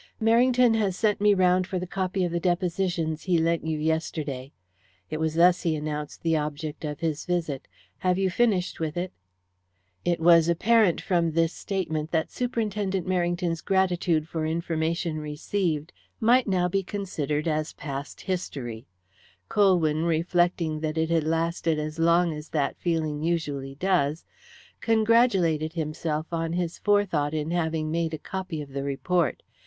"Merrington has sent me round for the copy of the depositions he lent you yesterday." It was thus he announced the object of his visit. "Have you finished with it?" It was apparent from this statement that Superintendent Merrington's gratitude for information received might now be considered as past history. Colwyn, reflecting that it had lasted as long as that feeling usually does, congratulated himself on his forethought in having made a copy of the report.